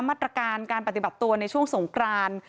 มาตรการการปฏิบัติตัวในช่วงสงกราน